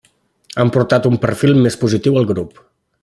Han portat un perfil més positiu al grup.